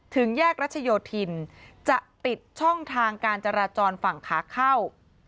ถึงแยกรัชโยธินจะปิดช่องทางการจราจรฝั่งขาเข้า